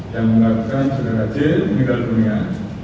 yang mengatakan saudara j meninggal dunia